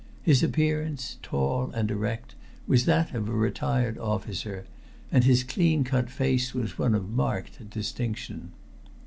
His appearance, tall and erect, was that of a retired officer, and his clean cut face was one of marked distinction.